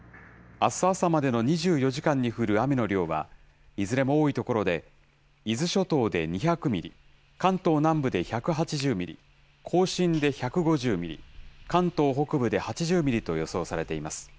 あす朝までの２４時間に降る雨の量は、いずれも多い所で、伊豆諸島で２００ミリ、関東南部で１８０ミリ、甲信で１５０ミリ、関東北部で８０ミリと予想されています。